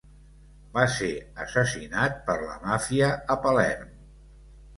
Va ser assassinat per la màfia a Palerm.